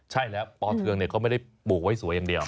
ใช่แล้วปอเทืองเขาไม่ได้ปลูกไว้สวยอย่างเดียว